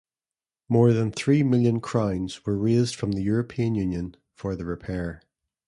More than three million crowns were raised from the European Union for the repair.